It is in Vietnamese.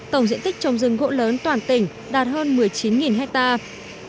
tổng diện tích trồng rừng gỗ lớn toàn tỉnh đạt hơn một mươi chín hectare